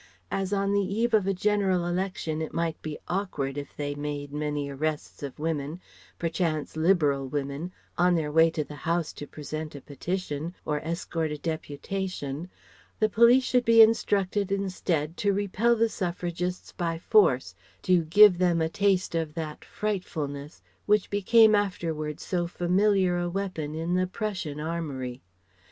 As on the eve of a General Election it might be awkward if they made many arrests of women perchance Liberal women on their way to the House to present a petition or escort a deputation, the police should be instructed instead to repel the Suffragists by force, to give them a taste of that "frightfulness" which became afterwards so familiar a weapon in the Prussian armoury.